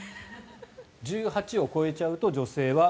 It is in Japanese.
１８ｋｇを超えちゃうと女性は。